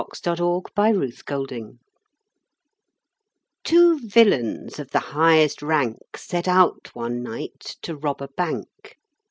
Ambrose Bierce Business TWO villains of the highest rank Set out one night to rob a bank.